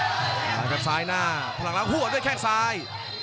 พวกนี้คือก็สายหน้าพลังลักษณ์หัวดด้วยแค่กซ้าย